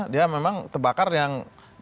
dia memang terbakar yang